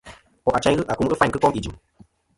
Nkò' achayn ghɨ akum ghɨ fayn kɨ kom ijɨm.